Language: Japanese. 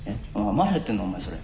まだやってんのお前それ。